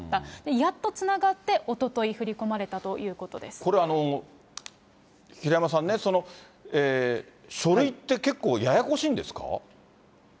やっとつながって、おととい、これ、平山さんね、書類って結構ややこしいんですか？